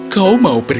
kau mau kemana